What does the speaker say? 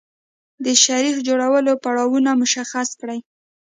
د شیریخ جوړولو پړاوونه مشخص کړئ.